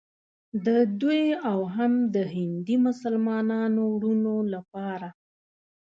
د دوی او هم د هندي مسلمانانو وروڼو لپاره.